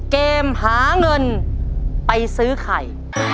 มหาเงินไปซื้อไข่